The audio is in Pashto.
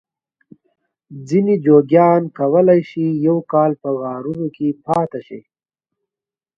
ځینې جوګیان کولای شي یو کال په غارونو کې پاته شي.